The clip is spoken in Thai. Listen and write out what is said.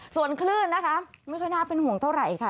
ส่วนคลื่นนะคะไม่ค่อยน่าเป็นห่วงเท่าไหร่ค่ะ